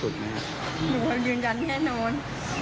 หนูก็ยืนยันแน่นอน